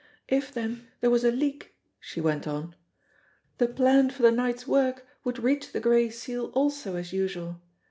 "If, then, there was a leak," she went on, "the plan for the night's work would reach the Gray Seal also as usual.